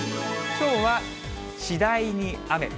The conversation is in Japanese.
きょうは次第に雨。